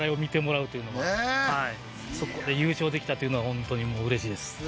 そこで優勝できたというのはほんとにもううれしいです。